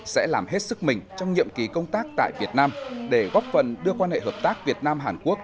sẽ làm hết sức mình trong nhiệm kỳ công tác tại việt nam để góp phần đưa quan hệ hợp tác việt nam hàn quốc